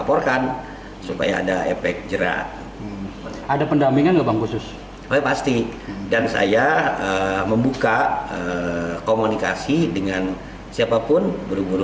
baik jerat ada pendampingan kebangkustus pasti dan saya membuka komunikasi dengan siapapun buru buru